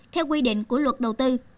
theo quy định của luật đầu tư